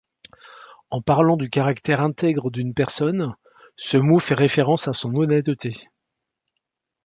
En parlant du caractère intègre d'une personne, ce mot fait référence à son honnêteté.